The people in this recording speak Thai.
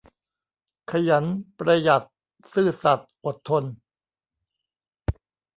ขยัน ประหยัด ซื่อสัตย์ อดทน